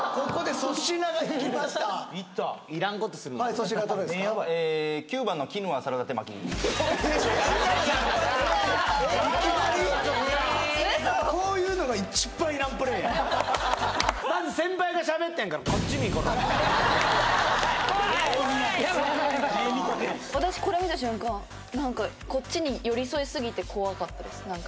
嘘・怖い私これ見た瞬間なんかこっちに寄り添いすぎて怖かったですなんか